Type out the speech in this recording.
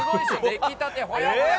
出来たてほやほや。